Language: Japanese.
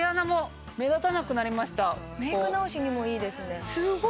メイク直しにもいいですね。